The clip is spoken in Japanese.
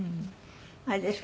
あれですか？